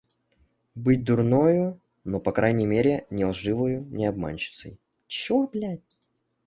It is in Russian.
Быть дурною, но по крайней мере не лживою, не обманщицей!